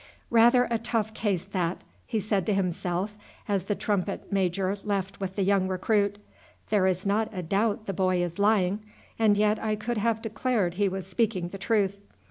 "Rather a tough case that," he said to himself as the trumpet major left with the young recruit. "There is not a doubt the boy is lying, and yet I could have declared he was speaking the truth.